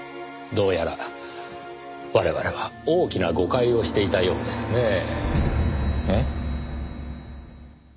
どうやら我々は大きな誤解をしていたようですねぇ。